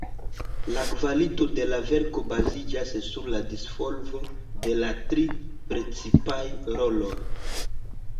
La kvalito de la verko baziĝas sur la disvolvo de la tri precipaj roloj.